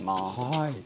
はい。